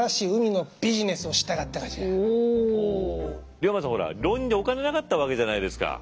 龍馬さんほら浪人でお金なかったわけじゃないですか。